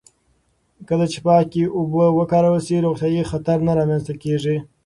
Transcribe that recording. کله چې پاکې اوبه وکارول شي، روغتیايي خطر نه رامنځته کېږي.